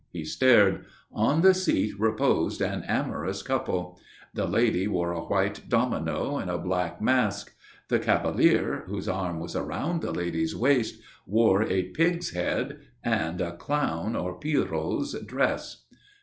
He stared. On the seat reposed an amorous couple. The lady wore a white domino and a black mask. The cavalier, whose arm was around the lady's waist, wore a pig's head, and a clown or Pierrot's dress.